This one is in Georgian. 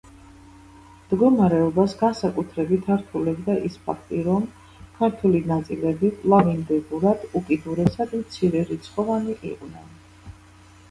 მდგომარეობას განსაკუთრებით ართულებდა ის ფაქტი, რომ ქართული ნაწილები კვლავინდებურად უკიდურესად მცირერიცხოვანი იყვნენ.